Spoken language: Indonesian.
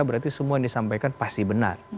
berarti semua yang disampaikan pasti benar